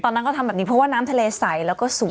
ตอนนั้นก็ทำแบบนี้เพราะว่าน้ำทะเลใสแล้วก็สูง